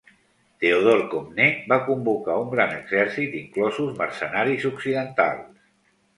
Teodor Comnè va convocar un gran exèrcit inclosos mercenaris occidentals.